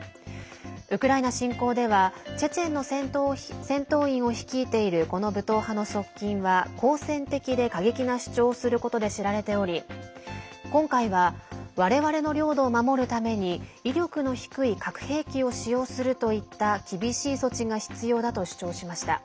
ウクライナ侵攻ではチェチェンの戦闘員を率いているこの武闘派の側近は好戦的で過激な主張をすることで知られており今回は我々の領土を守るために威力の低い核兵器を使用するといった厳しい措置が必要だと主張しました。